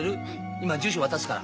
今住所渡すから。